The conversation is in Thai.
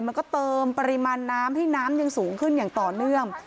มันก็เติมปริมาณน้ำให้น้ำยังสูงขึ้นอย่างต่อเนื่อง